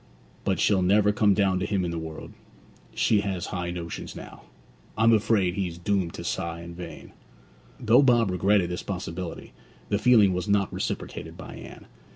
But she'll never come down to him in the world: she has high notions now. I am afraid he's doomed to sigh in vain!' Though Bob regretted this possibility, the feeling was not reciprocated by Anne.